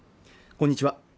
こんにちは